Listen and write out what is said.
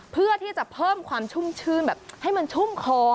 เพื่อที่จะเพิ่มความชุ่มชื่นแบบให้มันชุ่มคอ